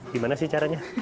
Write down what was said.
gimana sih caranya